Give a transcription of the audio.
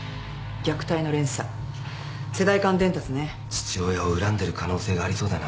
父親を恨んでる可能性がありそうだな。